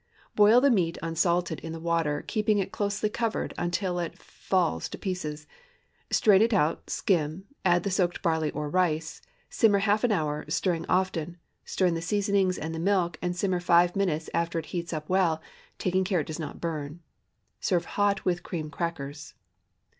Boil the meat, unsalted, in the water, keeping it closely covered, until it falls to pieces. Strain it out, skim, add the soaked barley or rice; simmer half an hour, stirring often; stir in the seasoning and the milk, and simmer five minutes after it heats up well, taking care it does not burn. Serve hot with cream crackers.